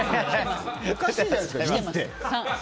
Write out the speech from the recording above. おかしいじゃないですか、２って。